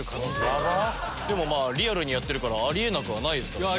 リアルにやってるからあり得なくはないですからね。